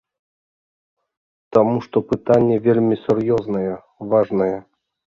Таму што пытанне вельмі сур'ёзнае, важнае.